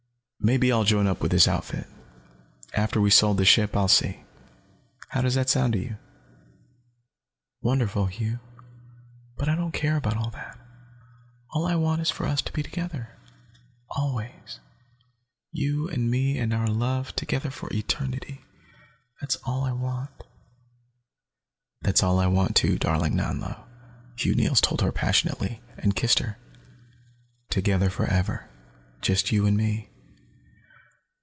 "Maybe I'll join up with this outfit. After we've sold the ship I'll see. How does that sound to you?" "Wonderful, Hugh," Nanlo whispered. "But I don't care about that. All I want is for us to be together. Always. You and me, and our love, together for eternity. That's all I want." "That's all I want, too, darling Nanlo," Hugh Neils told her passionately, and kissed her. "Together, forever. Just you and me."